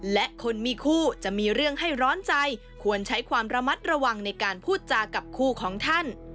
และคนมีคู่จะมีเรื่องให้ร้อนใจควรใช้ความระมัดระวังในการพูดจากับคู่ของท่าน